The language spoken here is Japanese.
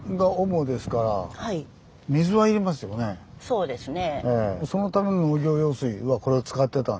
そうですね。